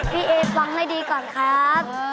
พี่เอฟังให้ดีก่อนครับ